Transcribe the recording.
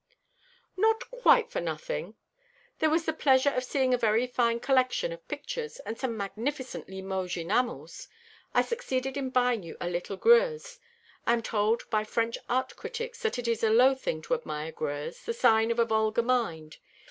"Not quite for nothing. There was the pleasure of seeing a very fine collection of pictures, and some magnificent Limoges enamels. I succeeded in buying you a little Greuze. I am told by French art critics that it is a low thing to admire Greuze, the sign of a vulgar mind.